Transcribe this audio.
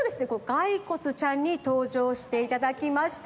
ガイコツちゃんにとうじょうしていただきました。